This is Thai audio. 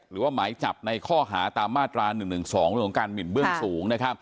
หมายจับในข้อหาตามมาตรา๑๑๒เรื่องของการหมินเบื้องสูง